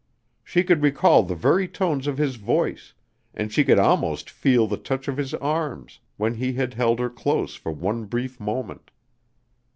She could recall the very tones of his voice and she could almost feel the touch of his arms when he had held her close for one brief moment.